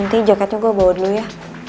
nanti jaketnya gue bawa dulu ya